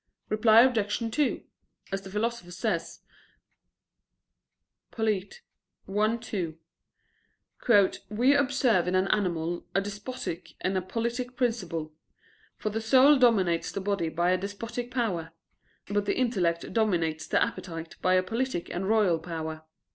Reply Obj. 2: As the Philosopher says (Polit. i, 2): "We observe in an animal a despotic and a politic principle: for the soul dominates the body by a despotic power; but the intellect dominates the appetite by a politic and royal power."